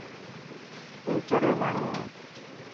اي چريو ماڻهو هي.